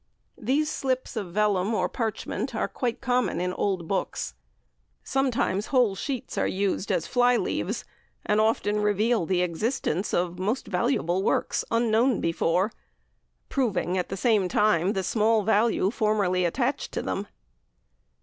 These slips of vellum or parchment are quite common in old books. Sometimes whole sheets are used as fly leaves, and often reveal the existence of most valuable works, unknown before proving, at the same time, the small value formerly attached to them.